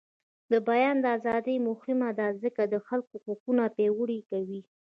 د بیان ازادي مهمه ده ځکه چې د خلکو حقونه پیاوړي کوي.